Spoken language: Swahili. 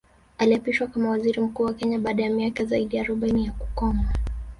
Aliapishwa kama Waziri Mkuu wa Kenya baada ya miaka zaidi ya arobaini ya kukoma